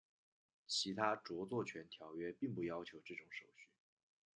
其他着作权条约并不要求这种手续。